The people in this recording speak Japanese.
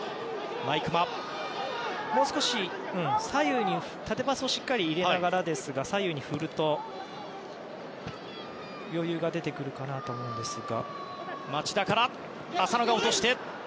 もう少し縦パスをしっかり入れながら左右に振ると余裕が出てくるかなと思うんですが。